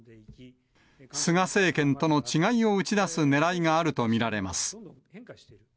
菅政権との違いを打ち出すねらいがあると見られます。